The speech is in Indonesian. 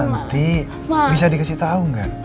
nanti bisa dikasih tau gak